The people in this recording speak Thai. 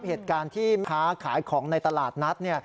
เหตุการณ์ที่ค้าขายของในตลาดนัดเนี่ย